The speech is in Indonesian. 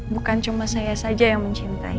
bukan cuma saya saja yang mencintai